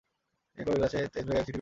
এক লোকের থেকে এক চিঠি পেয়েছি।